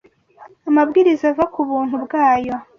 amabwiriza ava ku buntu bwayo